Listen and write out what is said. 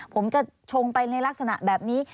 ผมจะชงไปในลักษณะแบบนี้